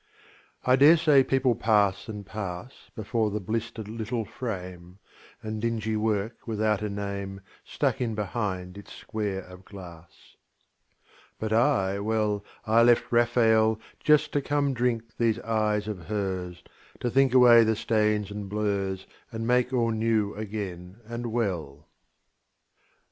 I dare say people pass and pass Before the blistered little frame, And dingy work without a name Stuck in behind its square of glass. But I, well, I left Raphael Just to come drink these eyes of hers, To think away the stains and blurs And make all new again and well.